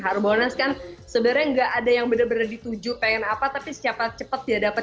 harbolnas kan sebenarnya enggak ada yang benar benar dituju pengen apa tapi siapa cepat dia dapat